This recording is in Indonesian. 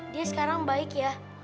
dia sekarang baik ya